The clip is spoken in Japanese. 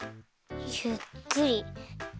ゆっくり。